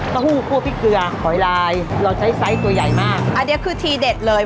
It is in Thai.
หู้คั่วพริกเกลือหอยลายเราใช้ไซส์ตัวใหญ่มากอันนี้คือทีเด็ดเลย